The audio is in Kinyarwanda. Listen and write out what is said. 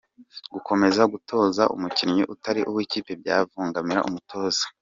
Gukomeza gutoza umukinnyi utari uw’ikipe byavangiraga umutoza.